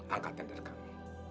angka tender kami